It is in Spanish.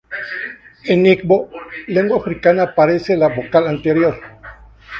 En igbo, lengua africana, aparece la vocal anterior.